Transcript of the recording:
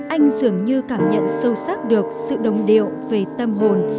anh dường như cảm nhận sâu sắc được sự đồng điệu về tâm hồn